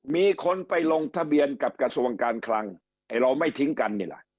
มีคนไปลงทะเบียนกับกระทรวงการคลังไอ้เราไม่ทิ้งกันนี่แหละ